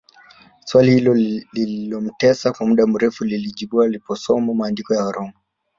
Swali hilo lililomtesa kwa muda mrefu lilijibiwa aliposoma maandiko ya Waroma